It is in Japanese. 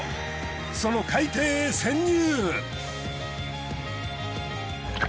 その海底へ潜入！